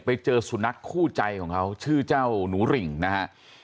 ไปเจอสุนัขคู่ใจของเขาชื่อเจ้าหนูริ่งนะฮะ